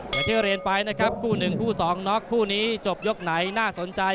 ได้ที่เรียนไปนะครับคู่๑คู่๒น็อกคู่นี้จบยกไหนน่าสนใจ